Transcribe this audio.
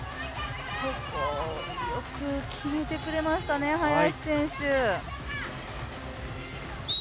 ここ、よく決めてくれましたね、林選手。